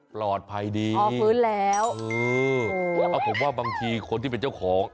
ปลอดภัยดีฟื้นแล้วเออเอาผมว่าบางทีคนที่เป็นเจ้าของ